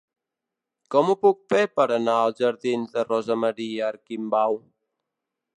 Com ho puc fer per anar als jardins de Rosa Maria Arquimbau?